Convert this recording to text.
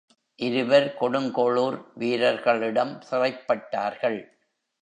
இருவர் கொடுங்கோளுர் வீரர்களிடம் சிறைப்பட்டார்கள்.